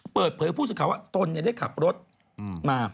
เปิดเผยพูดสุดข่าวว่าตนเนี่ยได้ขับรถมา